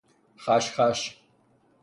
خش خش